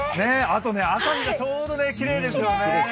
あと、朝日がちょうどきれいですよね。